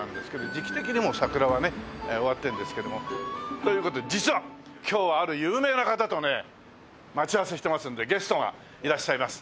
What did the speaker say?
時期的にもう桜はね終わってるんですけども。という事で実は今日はある有名な方とね待ち合わせしてますんでゲストがいらっしゃいます。